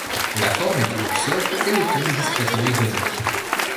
La forme est toujours sobre et le ton discrètement ironique.